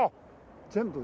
全部。